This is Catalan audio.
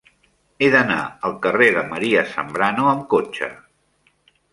He d'anar al carrer de María Zambrano amb cotxe.